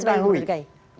sepanjang yang saya ketahui